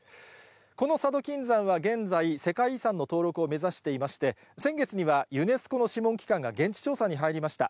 この佐渡金山は現在、世界遺産の登録を目指していまして、先月にはユネスコの諮問機関が現地調査に入りました。